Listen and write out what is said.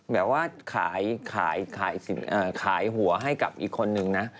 แบบว่าขายหัวให้กับอีกคนนึงนะ